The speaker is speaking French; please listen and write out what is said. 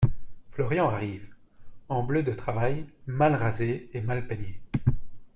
Florian arrive, en bleu de travail, mal rasé et mal peigné.